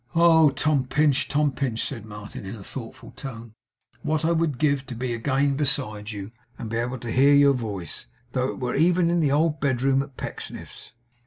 'Oh, Tom Pinch, Tom Pinch!' said Martin, in a thoughtful tone; 'what would I give to be again beside you, and able to hear your voice, though it were even in the old bedroom at Pecksniff's!